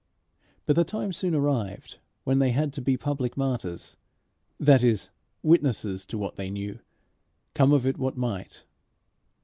But the time soon arrived when they had to be public martyrs that is, witnesses to what they knew, come of it what might.